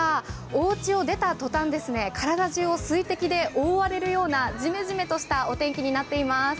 おうちを出た途端、体中を水滴で覆われるようなジメジメとしたお天気になっています。